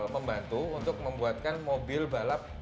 membantu untuk membuatkan mobil balap